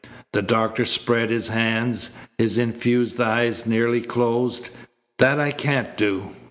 The doctor spread his hands. His infused eyes nearly closed. "That I can't do.